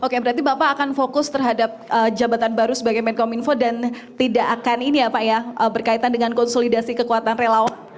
oke berarti bapak akan fokus terhadap jabatan baru sebagai menkom info dan tidak akan ini ya pak ya berkaitan dengan konsolidasi kekuatan relawan